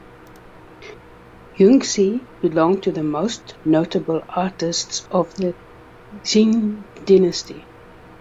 Yunxi belonged to the most notable artists of the Qing dynasty.